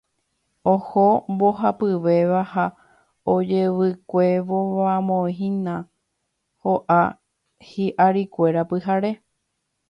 Oho mbohapyvéva ha ojevykuevomahína ho'a hi'arikuéra pyhare.